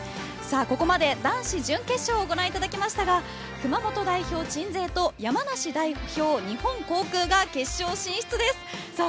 ここまで男子準決勝をご覧いただきましたが熊本代表・鎮西と山梨代表・日本航空が決勝進出です。